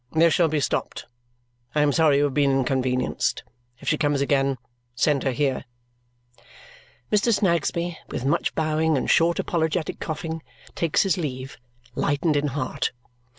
This shall be stopped. I am sorry you have been inconvenienced. If she comes again, send her here." Mr. Snagsby, with much bowing and short apologetic coughing, takes his leave, lightened in heart.